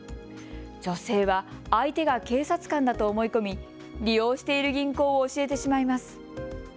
女性は相手が警察官だと思い込み利用している銀行を教えてしまいます。